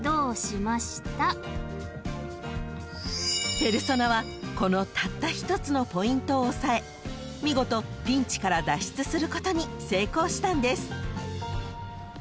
［ペルソナはこのたった１つのポイントを押さえ見事ピンチから脱出することに成功したんです］